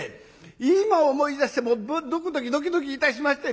今思い出してもドキドキドキドキいたしましてね。